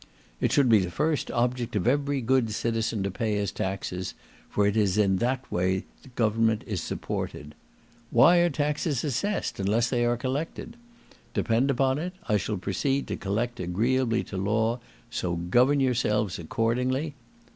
It should be the first object of every good citizen to pay his taxes, for it is in that way government is supported. Why are taxes assessed unless they are collected? Depend upon it, I shall proceed to collect agreeably to law, so govern yourselves accordingly.